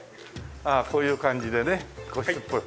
ああこういう感じでね個室っぽい。